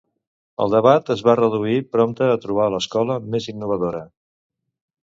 El debat es va reduir prompte a trobar l'escola més innovadora.